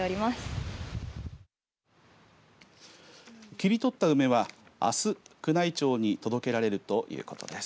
切り取った梅は、あす宮内庁に届けられるということです。